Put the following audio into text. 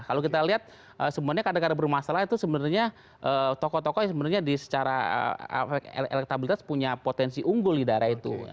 kalau kita lihat sebenarnya kader kader bermasalah itu sebenarnya tokoh tokoh yang sebenarnya secara elektabilitas punya potensi unggul di daerah itu